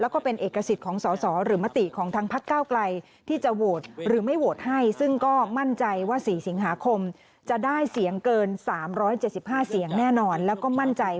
และก็เป็นเอกสิทธิ์ของสาวหรือมติของทางภักดาลกาลไกร